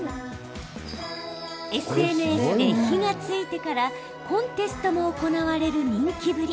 ＳＮＳで火がついてからコンテストも行われる人気ぶり。